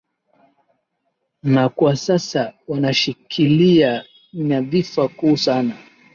na kwa sasa wanashikilia nyadhifa kuu sana